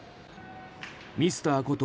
ミスターこと